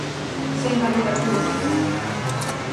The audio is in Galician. Sen caricaturas.